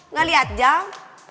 nggak lihat jam